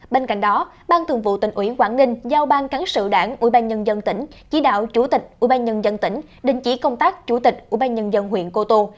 ban thường vụ tỉnh ủy ban nhân dân tỉnh đình chỉ công tác chủ tịch ủy ban nhân dân huyện cô tô